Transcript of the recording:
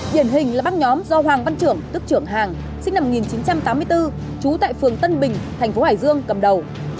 điển hình là băng nhóm do hoàng văn trưởng tức trưởng hàng sinh năm một nghìn chín trăm tám mươi bốn trú tại phường tân bình thành phố hải dương cầm đầu